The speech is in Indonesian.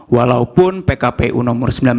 walaupun pkpu nomor sembilan belas